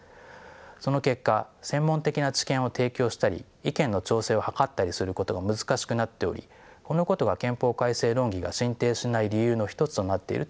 その結果専門的な知見を提供したり意見の調整を図ったりすることが難しくなっておりこのことが憲法改正論議が進展しない理由の一つとなっていると思われます。